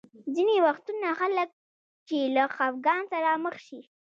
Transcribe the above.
ځینې وختونه خلک چې له خفګان سره مخ شي.